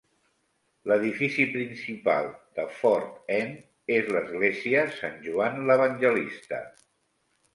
L'edifici principal de Ford End és l'església "Sant Joan l'Evangelista".